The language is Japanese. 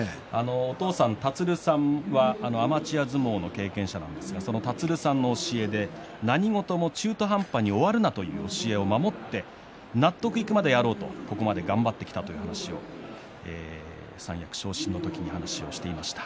お父さんの建さんはアマチュア相撲の経験者なんですがそのお父さんの教えで何事も中途半端に終わるなという教えを守って納得いくまでやろうと思ってここまでやってきたという話を三役昇進の時に話をしていました。